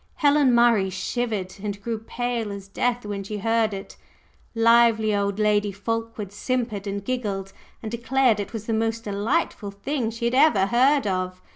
Helen Murray shivered and grew pale as death when she heard it; lively old Lady Fulkeward simpered and giggled, and declared it was "the most delightful thing she had ever heard of!"